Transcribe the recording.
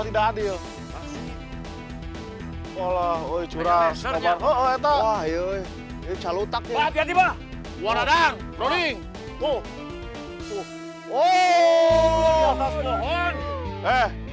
hai allah woi curah serta oh itu wah yoi calon takutnya tiba tiba warna dan running tuh oh